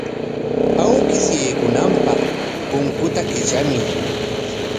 Awkish yaykunanpaq punkuta kitramuy.